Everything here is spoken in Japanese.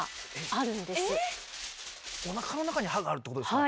おなかの中に歯があるってことですか？